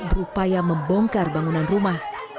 berupaya membongkar bangunan rumah